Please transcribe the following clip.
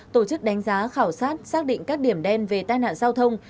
tổ chức đánh giá khảo sát xác định các điểm đen về tai nạn giao thông